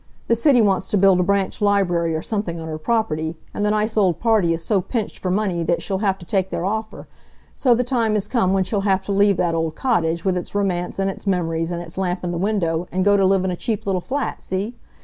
The city wants to build a branch library or something on her property, and the nice old party is so pinched for money that she'll have to take their offer. So the time has come when she'll have to leave that old cottage, with its romance, and its memories, and its lamp in the window, and go to live in a cheap little flat, see?